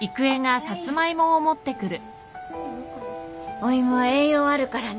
お芋は栄養あるからね。